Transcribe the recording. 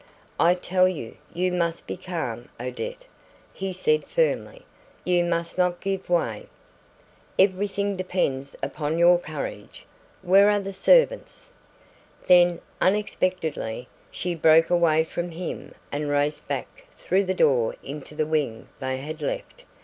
"I tell you, you must be calm, Odette," he said firmly, "you must not give way. Everything depends upon your courage. Where are the servants?" Then, unexpectedly, she broke away from him and raced back through the door into the wing they had left.